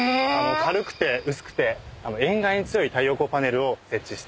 軽くて薄くて塩害に強い太陽光パネルを設置してます。